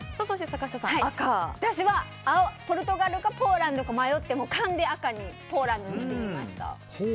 私はポルトガルかポーランドか迷って勘で赤にしてみました。